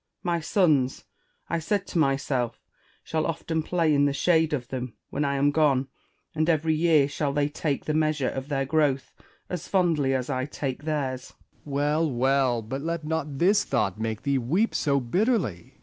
My sons, I said to myself, shall often play in the shade of them when I am gone ; and every year shall they take the measure of their gi'owth, as fondly as I take theirs. Essex. Well, well ; but let not this thought make thee weep so bitterly.